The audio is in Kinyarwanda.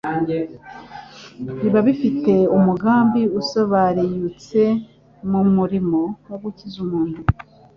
biba bifite umugambi usobariutse mu murimo wo gukiza umuntu,